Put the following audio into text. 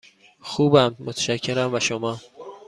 خوبم، متشکرم، و شما؟